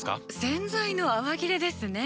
洗剤の泡切れですね。